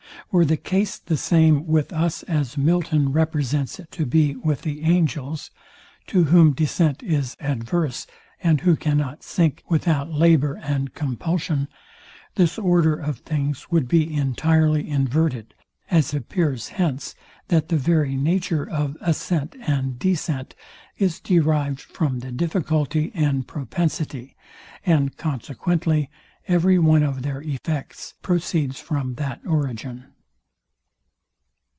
Were the case the same with us as Milton represents it to be with the angels, to whom descent is adverse, and who cannot sink without labour and compulsion, this order of things would be entirely inverted; as appears hence, that the very nature of ascent and descent is derived from the difficulty and propensity, and consequently every one of their effects proceeds from that origin.